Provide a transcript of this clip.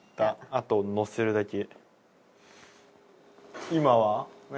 あとのせるだけ。